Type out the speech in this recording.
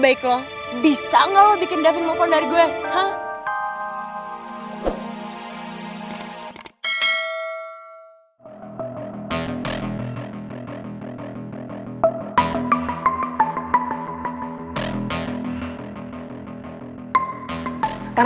bagaimana mungkin aldino ini sebagai orang baru